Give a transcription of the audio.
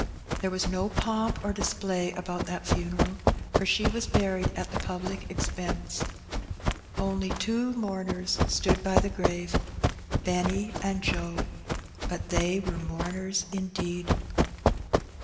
There was no pomp or display about that funeral, for she was buried at the public expense. Only two mourners stood by the grave, Benny and Joe, but they were mourners indeed.